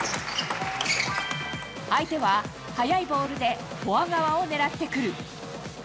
相手は速いボールでフォア側を狙ってくる。